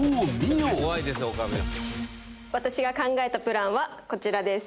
私が考えたプランはこちらです。